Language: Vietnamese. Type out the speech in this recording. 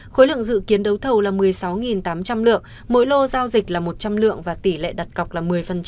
khối lượng dự kiến đấu thầu là một mươi sáu tám trăm linh lượng mỗi lô giao dịch là một trăm linh lượng và tỷ lệ đặt cọc là một mươi